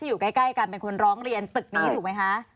อยู่ใกล้กันเป็นคนร้องเรียนตึกนี้ถูกไหมคะ